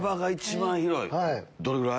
どれぐらい？